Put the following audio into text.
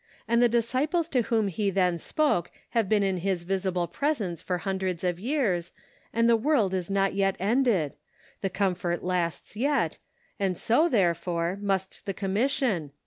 ' And the disciples to whom he then spoke have been in his visible presence for hundreds of years, and the world is not yet ended ; the comfort lasts yet, and so, therefore, must the com mission.